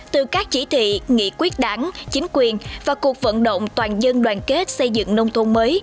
từ các chỉ thị nghị quyết đảng chính quyền và cuộc vận động toàn dân đoàn kết xây dựng nông thôn mới